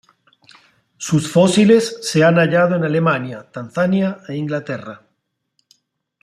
Sus fósiles se han hallado en Alemania, Tanzania e Inglaterra.